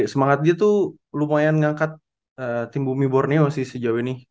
semangat dia tuh lumayan ngangkat tim bumi borneo sih sejauh ini